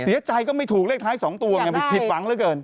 เสียใจก็ไม่ถูกเลขท้าย๒ตัวผิดหวังแล้วเกิน